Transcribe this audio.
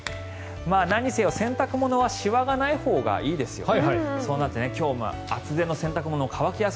なんにせよ洗濯物はしわがないほうがいいですよね。